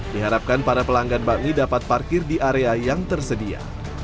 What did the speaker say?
diharapkan para pelanggan bakmi dapat parkir di area yang tersedia